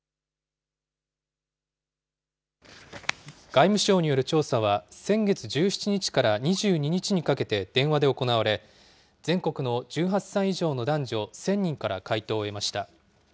外務省による調査は、先月１７日から２２日にかけて電話で行われ、全国の１８歳以上の男女１０００人から回答を得ました。